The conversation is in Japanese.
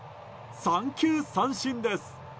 三球三振です。